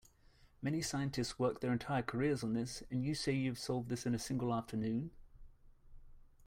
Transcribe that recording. Many scientists work their entire careers on this, and you say you have solved this in a single afternoon?